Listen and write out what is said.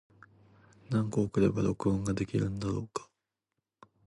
何個送れば録音ができるんだろうか。